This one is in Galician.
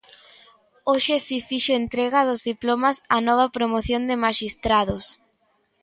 Hoxe si fixo entrega dos diplomas á nova promoción de maxistrados.